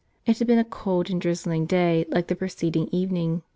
It had been a cold and drizzling day like the preceding evening.